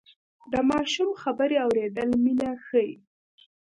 د ماشوم خبرې اورېدل مینه ښيي.